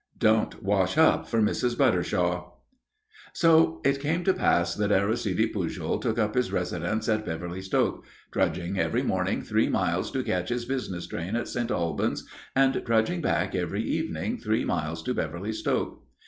"Don't wash up for Mrs. Buttershaw." So it came to pass that Aristide Pujol took up his residence at Beverly Stoke, trudging every morning three miles to catch his business train at St. Albans, and trudging back every evening three miles to Beverly Stoke.